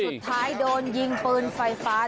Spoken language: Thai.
สุดท้ายโดนยิงปืนไฟฟ้า